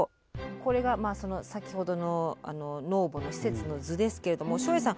これが先ほどのｎｕｏｖｏの施設の図ですけれども照英さん